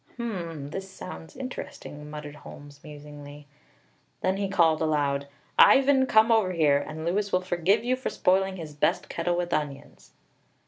"Hum, this sounds interesting," muttered Holmes musingly. Then he called aloud: "Ivan, come over here, and Louis will forgive you for spoiling his best kettle with onions!"